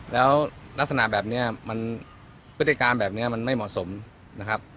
แล้วลักษณะแบบนี้มันพฤติการแบบนี้มันไม่เหมาะสมนะครับ